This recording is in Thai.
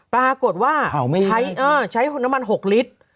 ปรากฏว่าใช้น้ำมัน๖ลิตร